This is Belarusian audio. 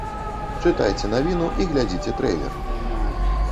Чытайце навіну і глядзіце трэйлер!